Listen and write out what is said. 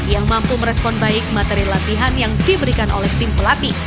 yang mampu merespon baik materi latihan yang diberikan oleh tim pelatih